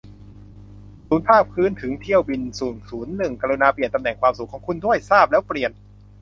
ศูนย์ภาคพื้นถึงเที่ยวบินหนึ่งศูนย์หนึ่ง กรุณาเปลี่ยนตำแหน่งความสูงของคุณด้วย ทราบแล้วเปลี่ยน